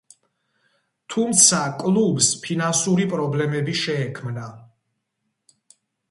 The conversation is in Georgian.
თუმცა კლუბს ფინანსური პრობლემები შეექმნა.